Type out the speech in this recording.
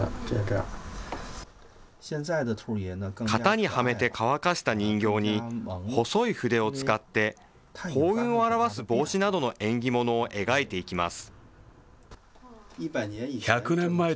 型にはめて乾かした人形に、細い筆を使って、幸運を表す帽子などの縁起物を描いていきます。